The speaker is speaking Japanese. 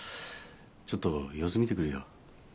ちょっと様子見てくるよ。